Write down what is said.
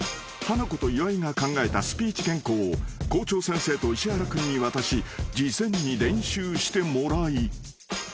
［ハナコと岩井が考えたスピーチ原稿を校長先生と石原君に渡し事前に練習してもらい］